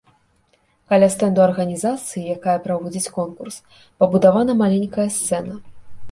Каля стэнду арганізацыі, якая праводзіць конкурс, пабудавана маленькая сцэна.